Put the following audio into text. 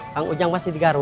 kang ujang masih di garut